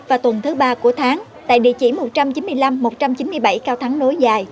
và tuần thứ ba của tháng tại địa chỉ một trăm chín mươi năm một trăm chín mươi bảy cao thắng nối dài